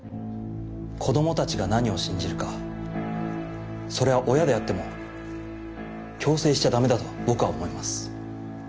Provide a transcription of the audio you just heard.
子供たちが何を信じるかそれは親であっても強制しちゃダメだと僕は思います。